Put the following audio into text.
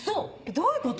どういうこと？